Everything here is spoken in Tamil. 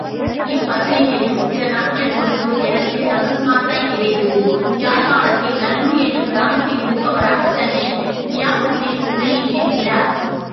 இப்பத்திரிகையும் சில நாட்கள் பொறுத்து எனக்கு அகஸ்மாத்தாய்க் கிடைத்தது யாழ்ப்பாணத்தில் நல்லூர் என்னும் கிராமத்திலிருப்பவராகத் தன்னை இவ்வியாசத்தில் வெளியிட்டிருக்கிறார்.